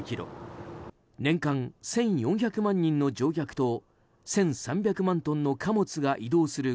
年間１４００万人の乗客と１３００万トンの貨物が移動する